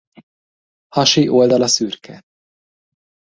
Hasi oldala szürke.